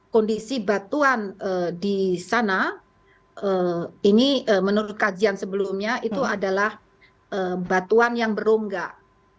kondisi batuan di sana ini menurut kajian sebelumnya itu adalah batuan yang berunggak